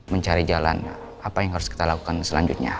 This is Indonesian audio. mencari jalan apa yang harus kita lakukan selanjutnya